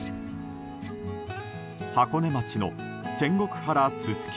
箱根町の仙石原すすき